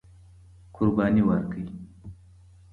قرباني ورکړئ.